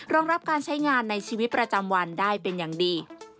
รองรับการใช้งานในชีวิตประจำวันได้เป็นอย่างดี